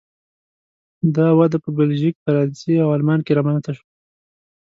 دا وده په بلژیک، فرانسې او آلمان کې رامنځته شوه.